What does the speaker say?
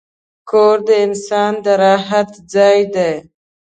کور د انسان د راحت ځای دی.